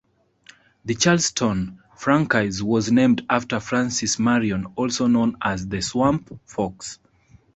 The Charleston franchise was named after Francis Marion, also known as "The Swamp Fox".